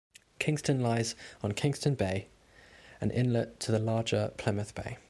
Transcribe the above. Kingston lies on Kingston Bay, an inlet to the larger Plymouth Bay.